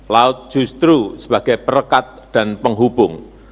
laut justru sebagai perekat dan penghubung